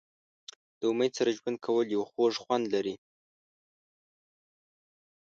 د امید سره ژوند کول یو خوږ خوند لري.